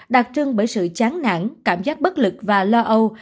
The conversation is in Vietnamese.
đặc trưng bởi sự chán nản cảm giác bất lực và lo âu